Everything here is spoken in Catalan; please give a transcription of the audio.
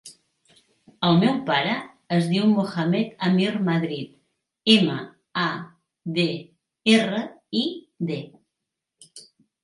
El meu pare es diu Mohamed amir Madrid: ema, a, de, erra, i, de.